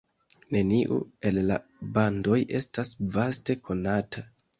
Neniu el la bandoj estas vaste konata.